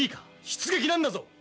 出撃なんだぞ。